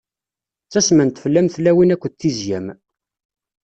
Ttasment fell-am tlawin akked tizya-m.